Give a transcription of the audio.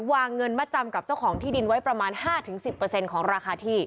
วางเงินมาจำกับเจ้าของที่ดินไว้ประมาณ๕๑๐ของราคาที่